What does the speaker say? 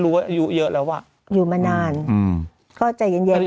อายุเยอะแล้วอ่ะอยู่มานานอืมก็ใจเย็นเย็น